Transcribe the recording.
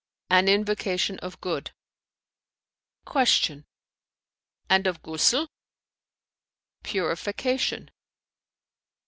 "An invocation of good" Q "And of Ghusl?" "Purification."